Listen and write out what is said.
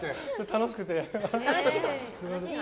楽しくて。